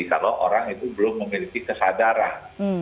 kalau orang itu belum memiliki kesadaran